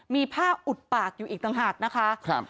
มีผ้าอุดปากอยู่อีกต่างหากนะคะ